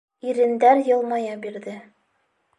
Ирендәр йылмая бирҙе.